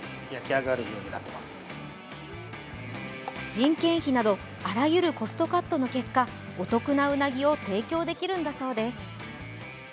人件費など、あらゆるコストカットの結果、お得なうなぎを提供できるんだそうです。